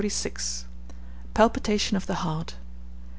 PALPITATION OF THE HEART.